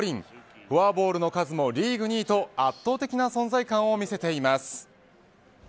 フォアボールの数もリーグ２位と圧倒的な存在感を見せています。